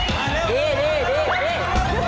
โอ้ค่ะขยับมาลุกดูเลย